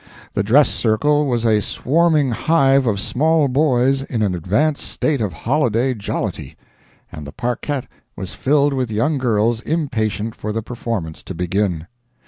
The dress circle was a swarming hive of small boys in an advanced state of holiday jollity, and the parquet was filled with young girls impatient for the performance to begin.